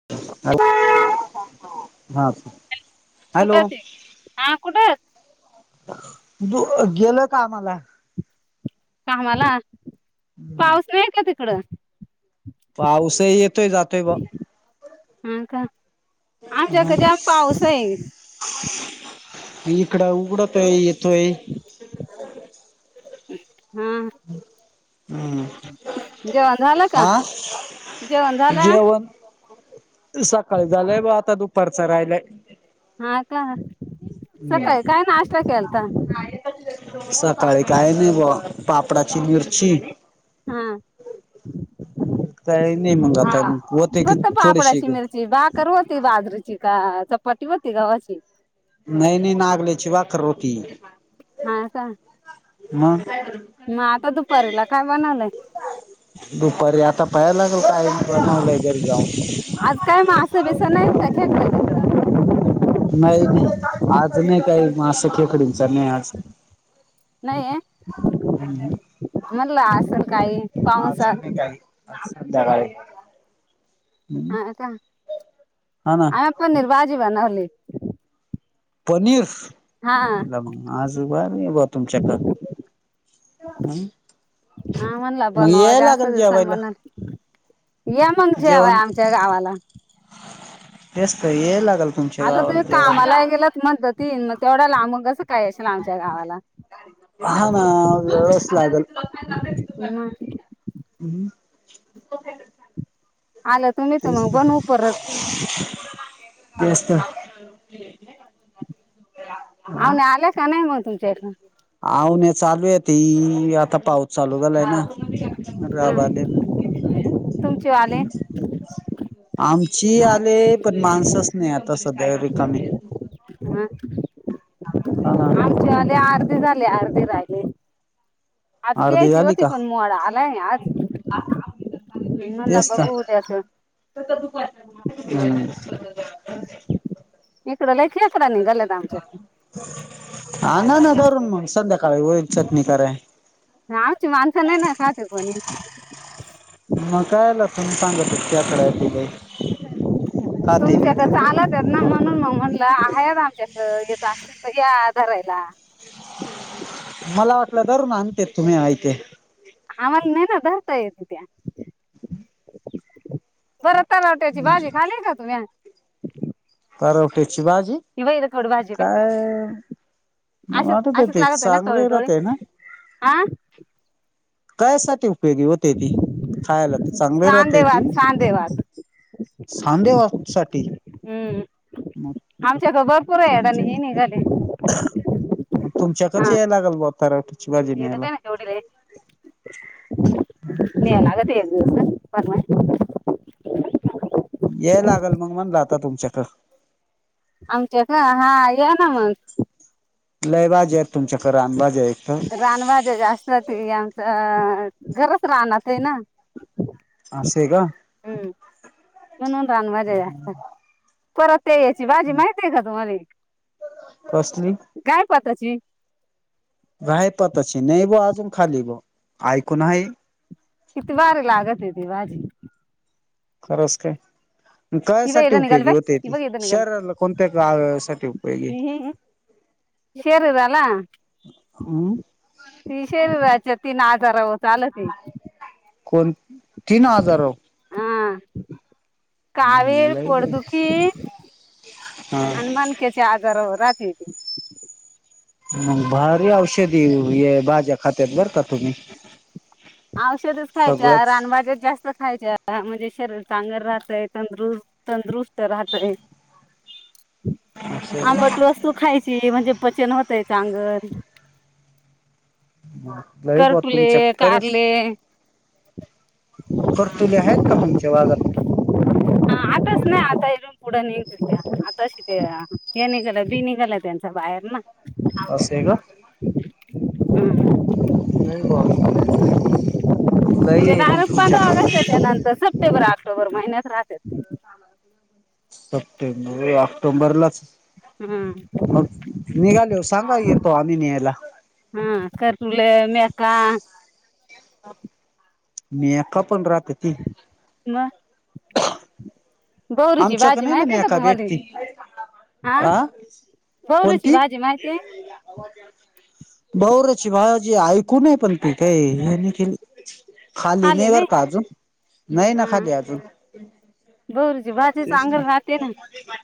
[unintelligible] हा. हॅलो कुठयं ती? हा, कुठ? गेल कामाला. कामाला पाऊस न्हाई का तिकडं? पाऊसही येतोय-जातोय बुवा. हा का? आमच्याकडे जास्त पाऊसयं. इकडं उघडतोय येतोय. [unintelligible] हा. हम्म, जेवण झालं का आ, जेवण झालं जेवण सकाळी झालंय बुवा, आता दुपारचं रायलाय. हा का? सकाळी काय नाष्टा केलता? सकाळी काय नाही बुवा, पापडाची मिरची. हा तळलेली का नाही मंगं, आता हो ते, क फक्त थोडीशी. पापडाची मिरची भाकर होती बाजरीची का चपाती होती गवाची? नाही-नाही, नागलेची भाकर होती हा का मग. मग आता दुपारीला काय बनवलं. दुपारी आता पाहाला लागेल, काय बनवलं घरी जाऊन. आज काय म मास-बिस नाहीत का घेतलं? नाही-नाही, आज नाही काही, मास- खेकडींचा नाही आज. नाहीये. म्हणलं असन काही आज पावसात. नाही काही आज संध्याकाळी. हम्म हा का? हा ना आम्ही पनीर भाजी बनवली. पनीर हा [unintelligible] आज बारी ग तुमच्या का? हम्म. आ, म्हणला मग बनवा याय जास्त लागेल जेवायला सगळांना ये मग जेवाय जेवण आमच्या या गावाला. तेस तर ये लागल. आता तुम्ही कामाला गेलत म्हणत तीन मग तेवढा लांबुन कसं काय येशील ना आमच्या गावाला? हा ना व वेळस लागल. मग [unintelligible] आलं तुम्ही तर मग बनवु परत. तेच तर. अं, नाही आल्यास का नाही? मग तुमच्याकडे. अहो, मी चालू आहे ती आता पाहु. चालू झालाय ना [inaudible] हं तुमचे वाले आमची आले, पण माणसच नाही आता सध्या रिकामे. [inaudible] हा ना आमचे आले अर्धे झाले, अर्धे राहिले. आज अर्धी घ्यायचे झाली होते का? पण मोड आलाय आज. म्हणलं तेच बघु तर. उद्याच. हम्म [unintelligible] निघाल्यात आमच्या. आना ना भरून मग संध्याकाळी होईल चटणी कराय. आमची माणस नाही न खात आहे कोणी. मग कायला तुम्ही सांगत आहेत खेकड्या केले. तुमच्यात कड चालत आहेत ना म्हणून मग म्हटलं आहेत आमच्या अ येत असतील तर या धरायला. मला वाटलं धरून आणतेत तुम्ही आयते. आम्हाला नाय न धरता येत त्या. [inaudible] परत तरवट्यातची भाजी खाली का तुम्ही? करवट्याची बाजी बाई खड भाजी बाई काय? मला अशीच आठवते ती चांगली राहतीय ना? आ? काह्यासाठी उपयोगी होतीय ती? खायला तर चांगली राहते सांदेवात ती. सांदेवात सांधे वात साठी. हम्म मग आमच्या भरपूर याडा तुमचे नी निघाली मग तुमच्याकच याल लागल बॉ तराठी. एक भी नाही जोडीला न्या लागते एक दिवस अ बनवाया. या लागल मग म्हणल आता तुमच्याकड. आमच्याकड हा या ना मग. लय भाज्या आहेत तुमच्याकड रानभाज्या आहेत. रान भाज्या जास्त ती आमच घरच रानात आहे ना. असय का? हम्म म्हणून रान भाज्या असता परत ते याची भाजी माहितीये का तुम्हाले? कसली? गाय पताची? गायपताची नाही बॉ आजून खाली बॉ ऐकून आहे. किती भारी लागती ती भाजी. खरस काय? ही बाई कशासाठी इथं निघाली उपयोगी बाई होते ही ती बघ इथं निघाली शरीराला कोणत्या का साठी उपयोगी? ही, ही, ही. शरीराला? हम्म ती शरीराच्या तीन आजारावर चालती. कोण? तीन आजारावर हा कावीळ, लय बाई पोटदुखी हा आणि मन केची आजारावर राहते ती मग भारी औषधी हे भाज्या खात्यात बरं का तुम्ही. औषधच खायच्या, सगळंच रानभाज्या जास्त खायच्या हां म्हणजे शरीर चांगल राहतयं तंदरुस् तंदुरुस्त राहतयं आंबट वस्तू खायची म्हणजे पचन होतंय चांगल नाई बुवा तुम्ही करटुले चेक करस? कारले करतुले हेत का तुमच्या भागात? हां आताच स् नाय आतायेलौ पुढं निघल त्या आताशी ते हे निघाल बी निघाल त्यांच्या बाहेर ना. असं हे का? हां. नाही बुवा, लयी हे मग तुमच्याक च्यानंतर सप्टेंबर ऑक्टोंबर महिन्यात राहत्यात सप्टेंबर ऑक्टोंबरलाच हम्म मग निघालोव सांगाय येतो आम्ही न्यायला. हां करलें मे का? मेयका पण राहते ती. मं गौरीची आमच्याकडे भाजी नाही ना माहितेयं का मेका तुम्हाली? भेटती आं आ बऊरीची भाजी माहितीये? बऊरची भाजी ऐकूनय पण ती हे काय हेनी केली खाली नाही बर का अजून? नाही ना खाली अजून. बऊरीची भाजी चांगल राहते ना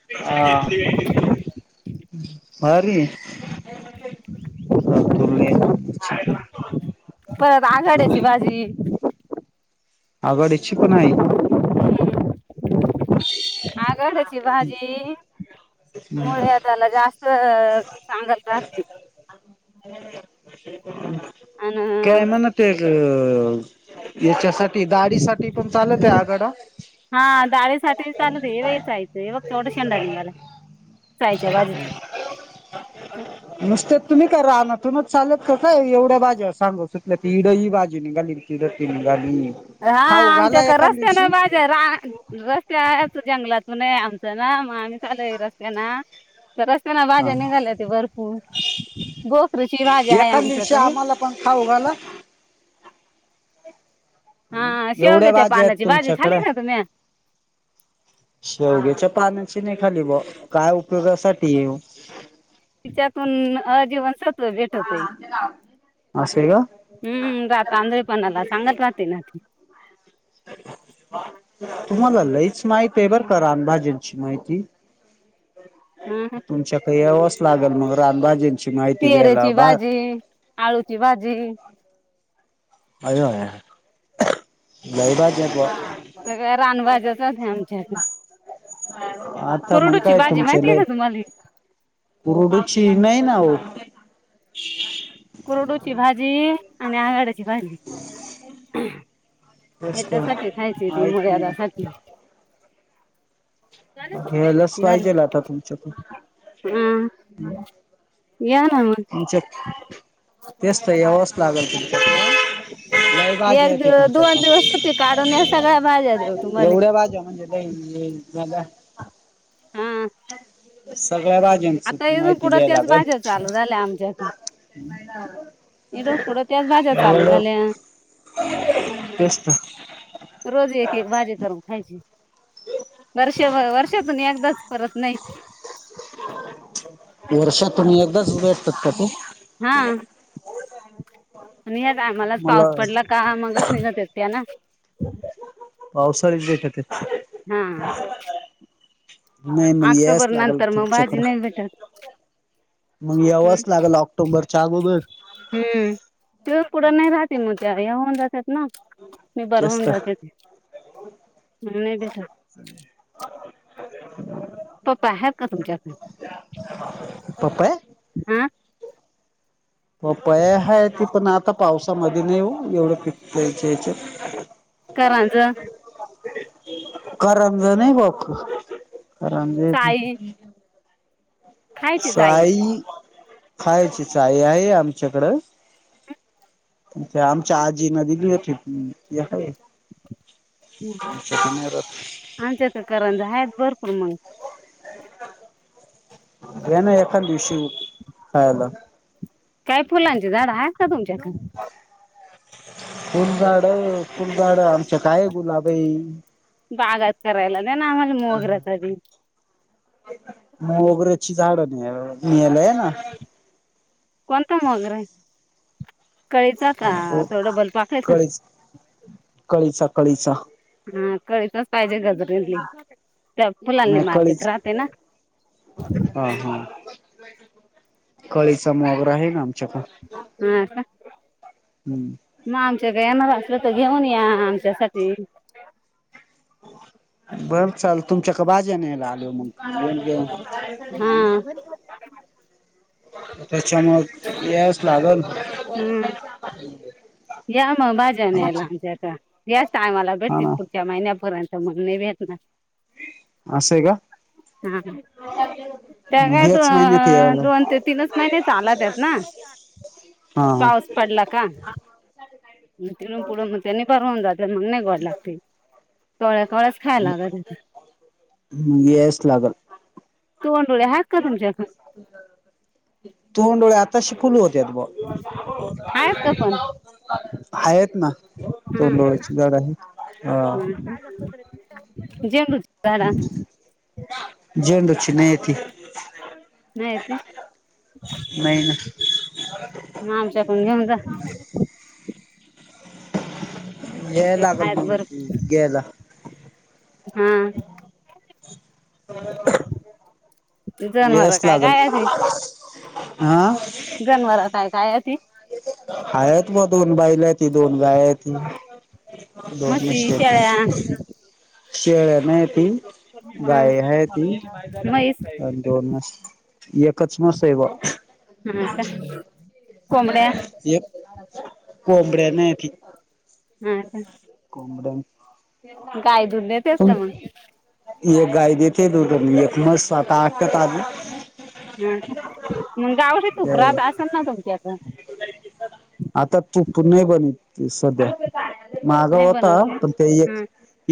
आं [inaudible] भारीयं [inaudible] का तुले [inaudible] परत आघाड्याची भाजी आगाडीची पण हाय आघाडयाची भाजी मुळव्यादाला जास्त चांगल राहती. [inaudible] अन काय म्हणत तर याच्यासाठी दाडी साठी पण चालतय आघाडा? हां दाढेसाठी चालूदे रेवेचायचं बघ केवढा शेंडा निघाला चायच्या [inaudible] [inaudible] नुसत्या तुम्ही करा म तुमच चालत काय एवढ्या बाजू सांगत सुटल्या ती ईड ही बाजू निगाली तीड ति नघाली हां आमच्याकड रस्त्यानं भा ज्या रा रस्ते आहेत जंगलातनये आमचे ना मग आम्ही चालोय रस्त्या ना तर रस्त्यानं हा भाज्या निघाल्याती भरपूर गोखरीची भाजी हायआमच्याकहे. पंण खाऊघाला हा एवढ्या शेवग्याच्या भाज्या येत पानाची भाजी तुमच्याकड? खाली ना तुम्ही शेवग्याच्या पानांची नाही खाली बुवा काय उपयोगासाठी येओ? तिच्यातून अ जीवन सत्व भेटतयं. असे का हुं राात आंधळे पणाला सांगत राहते ना ती तुम्हाला लईच माहितयें बर का रानभाजेंची माहिती. [inaudible] आहां तुमच्याकहे यावच लागेल मग रानभाजी टीहरेची भाजी, आळूची भाजी अयो, लई बाज पो [unintelligible] सगळ्या रानभाज्याच, होत्या आमच्याकं. आता मग कोरडोची काय भाजी, माहिती का, तुम्हाला ही? कूरुडुची नही ना, ओ. कुर्डूची भाजी आणि आगाड्याची भाजी तेच तर याच्यासाठी खायची, ती माहित नाही ना मूळव्यादासाठी. हम्. घ्यायलाच पाहिजेल, आता तुमच्याकुण. हम. या ना म. तुमच्या, तेचत यावच लागल तुमच्याकुण, लाईट एक भाज्यात दिव दोन तुमच्याक, दिवस सुट्टी काढून या सगळ्या भाज्या देऊ तुम्हाला एवढ्या भाज्या, म्हणजे हा [unintelligible] सगळ्या भा ज्यांचं, आता इथून माहिती पुढं घ्याय त्याच लागल. भाज्या चालू झालं, आमच्याकून ते महिला इडून पुढं, त्याच भाज्या चालू झाल्या. तेच त. रोज, एक-एक भाजी करून खायची, वर्ष-वर्षातून एकदाच. परत नही. वर्षातुन, एकदाच भेटतात का, ते? हां, आणि टायमालाच मला पाऊस पडला का, मगच निघत य त्या ना? पावसाळीच देता ते. हां. नाही मग यायच ऑक्टोबर लागल नंतर, म भाजी नही भेटत. मंग हम्म यावंच लागल, ऑक्टॉम्बरच्या अगोदर. हम्म, तिदून पुढं नही राहती, म त्या, या होऊन जातात ना. निबार होउन जास्त. जाते ते, मंग नही भेटत. [unintelligible] पपया आहेत का, तुमच्याक, पपया हं? पपाया हाय ती, पण आता पावसामदी नहीं ओ, एवढं पिकाच्या याच्यात करांज करामलं नही, बक आरामजेती [unintelligible] चाई चाई, खायची साई, आहे आमच्याकडं. पण त्या आमच्या आज्जी न दिली होती, ती हाये. आच्यात करंद आहेत भरपूर, मग, याना एखांद दिवशी, खयला. काय फुलांची, झाडं आहेत का, तुमच्याक? फुलझाड-फुलझाड, आमच्याक् आहे गुलाबी बागात करायला दे ना, आम्हाला मोगरा कधी. मोगऱ्याची झाडं, न्यायला ये ना. कोणता मोगरा य? कळीचा का, तो डबल पाकळीचा? कळीच कळीचा कळीचा हा कळीचाच पाहिजे गज [unintelligible] ली त्या फुलांनी नाही मार्केट कळीच राहते ना. हा हा कळीचा मोगरा आहे ना आमच्याकडे. हा का? हम्म. मग आमच्याकडं येणार असलं, तर घेऊन या आमच्यासाठी. बर चाल तुमच्याकड भाज्या न्यायला आलो हा [unintelligible] त्याच्यामूळं यायच लागलं. हम्म या मग भाज्या न्यायला आमच्याकड याच टायमाला भेटतील ना पुढंच्या महिन्यापर्यंत मग नाही भेटणार. असंय हा. त्या काय दो ह्याच महिन्यात अ यावं दोन लागल ते तीनच महिने चालतेत ना. हा. हा पाऊस पडला का? मग तिथून पुढं मग त्यां निब्बर होऊन जाते, मग नाही गोड लागत ते, कवळ्या कवळ्याच खायला लागते मग यायचं लागल. तोंडुळ्या आहेत का तुमच्याकडं? तोंडुळ्या आताशी [unintelligible] होते बवा आहेत का पण आहेत ना हा तोंडूळ्याची झाडं आहे ह. [unintelligible] झेंडूची नाहीती. नाही ती? नाही मग आमच्याकडून घेऊन जा. याय आमच्याकडे लागलं आहेत मग भरपूर घ्यायला. हा. [inaudible] जनावर यायचं काय लागलं. काय आहे आ? जनवरात हाय काय ती? हायत मग दोन बैल आहेती, दोन गाय आहेती. म्हशी शेळ्या [unintelligible] शेळ्या नाहीती. हा गाय आहेती म्हैस आणि दोन म्हशी. एकच म्हस ये बुवा. हा का? कोंबड्या एक कोंबडया नाहीती. हा का? [unintelligible] गाय दूध देतेस का मग एक गाय देते दूध आणि एक म्हस आता आटत आली. हा मग गावशी तुप्रात आली. असेल ना तुमच्या हितं. आता तूप नाही बनित सध्या. मागं नाही होता बनवते पण ते एक हा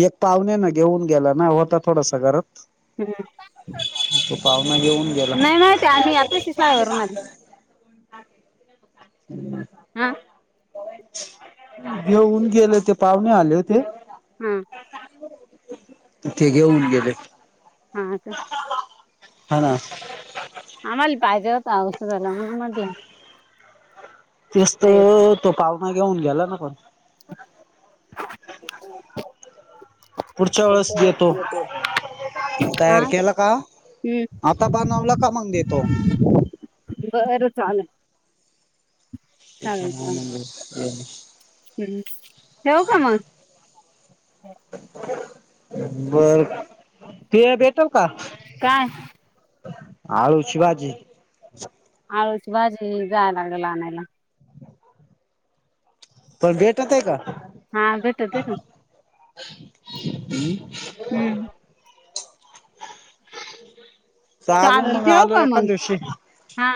एक पाहुण्यानं घेऊन गेला ना होता थोडस घरात. [unintelligible] तो पाहुणा घेऊन गेला नाही माहिती आम्ही आताशी शाळेवरून आली. हा. घेऊन गेले ते पाहुणे आले होते. ह ते घेऊन गेले, हा का हा ना आम्हाला पाहिजे होत औषधाला, म्हणून म्हटलं तेचत आहेत तो पाहुना घेऊन गेला ना पण. [unintelligible] पुढच्या वेळेस देतो. हा तयार केला का हम्म आता बनवला का मग देतो बरं चालेल चालेल चालेल त [unintelligible] हम्म नेऊ का म बर ते भेटल का काय आळूची भाजी आळूची भाजी जायला लागल आनायला पण भेटत का हा भेटत ना हम् [unintelligible] हम्म [unintelligible] चालून चालेल मग ठेवू आलो का एखा मग दिवशी हा